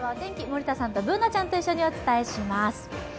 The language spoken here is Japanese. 森田さんとＢｏｏｎａちゃんと一緒にお伝えします。